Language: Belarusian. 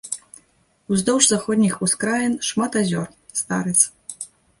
Уздоўж заходніх ускраін шмат азёр, старыц.